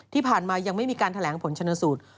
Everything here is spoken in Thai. ที่ผ่านมายังไม่มีการแถลงผลชนสูตร